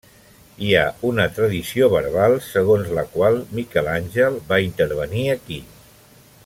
Hi ha una tradició verbal segons la qual Miquel Àngel va intervenir aquí.